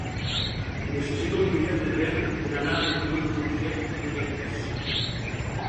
Necessito un bitllet de tren per anar a Bellmunt d'Urgell dimecres.